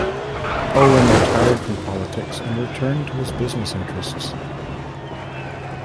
Owen retired from politics and returned to his business interests.